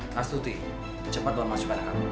mas duti cepat buat masuk anak kamu